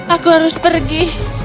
aku harus pergi